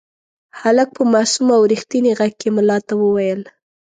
هلک په معصوم او رښتیني غږ کې ملا ته وویل.